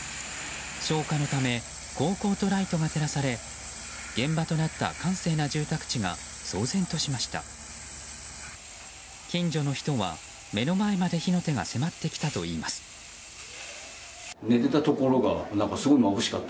消火のためこうこうとライトが照らされ現場となった閑静な住宅地が騒然としました。